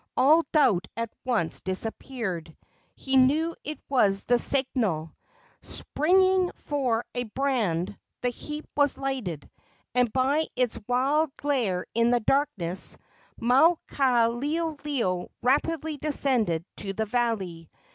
All doubt at once disappeared. He knew it was the signal. Springing for a brand, the heap was lighted, and by its wild glare in the darkness Maukaleoleo rapidly descended to the valley.